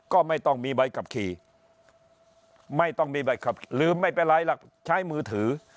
ก็ไม่ต้องมีใบขับขี่ไม่ต้องมีใบขับลืมไม่เป็นไรหรอกใช้มือถือ